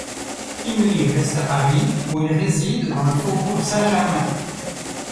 Kymli reste à Paris où il réside dans le Faubourg Saint-Germain.